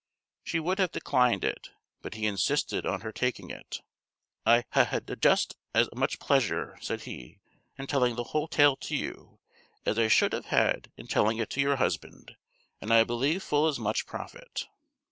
She would have declined it, but he insisted on her taking it. "I ha' had just as much pleasure," said he, "in telling the whole tale to you, as I should have had in telling it to your husband, and I believe full as much profit."